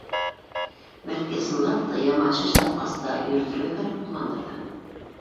Бәлки, ысынлап та, яман шеш тапҡас та йөрөтөргә кәрәк булғандыр ҙа.